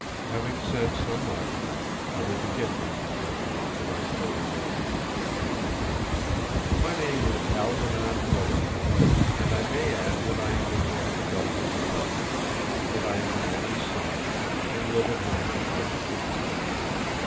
Having said so much, I will begin my confession without further delay. My name is Algernon Weatherhead, and I may add that I am in one of the government departments, that I am an only son, and live at home with my mother.